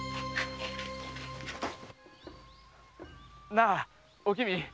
なあおきみ